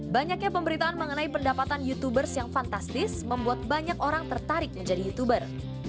banyaknya pemberitaan mengenai pendapatan youtubers yang fantastis membuat banyak orang tertarik menjadi youtuber